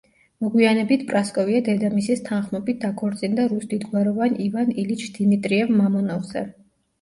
მოგვიანებით პრასკოვია დედამისის თანხმობით დაქორწინდა რუს დიდგვაროვან ივან ილიჩ დიმიტრიევ-მამონოვზე.